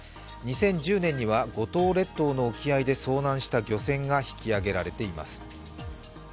２０１０年には五島列島の沖合で遭難した漁船が引き揚げられています。